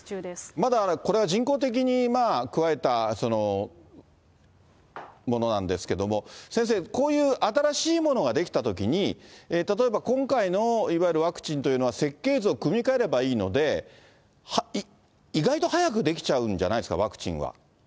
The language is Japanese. まだこれは人工的に加えたものなんですけども、先生、こういう新しいものが出来たときに、例えば今回のいわゆるワクチンというのは設計図を組み換えればいいので、意外と早く出来ちゃうんじゃないですか、ワクチンは。